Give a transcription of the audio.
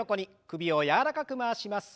首を柔らかく回します。